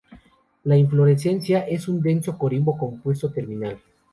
La inflorescencia es un denso corimbo compuesto terminal.